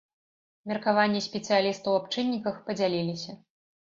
Меркаванні спецыялістаў аб чынніках падзяліліся.